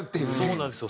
そうなんですよ。